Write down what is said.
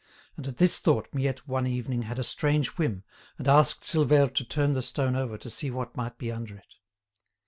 And at this thought Miette one evening had a strange whim, and asked Silvère to turn the stone over to see what might be under it.